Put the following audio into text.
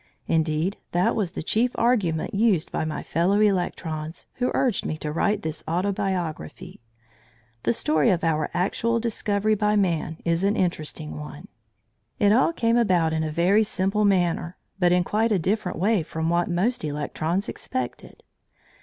Indeed that was the chief argument used by my fellow electrons, who urged me to write this autobiography. The story of our actual discovery by man is an interesting one. It all came about in a very simple manner, but in quite a different way from what most electrons expected.